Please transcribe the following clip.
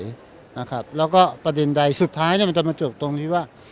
แล้วก็ประเด็นใดสุดท้ายมันจะมาจบตรงที่ว่า